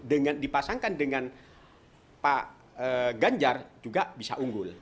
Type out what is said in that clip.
dengan dipasangkan dengan pak ganjar juga bisa unggul